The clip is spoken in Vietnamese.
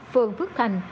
phường phước thành